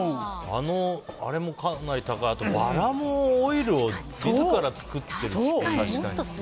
あれもかなり高いと思うしあと、バラのオイルを自ら作ってるし。